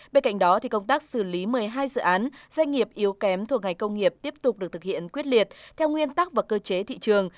bên cạnh đó công tác xử lý một mươi hai dự án doanh nghiệp yếu kém thuộc ngành công nghiệp tiếp tục được thực hiện quyết liệt theo nguyên tắc và cơ chế thị trường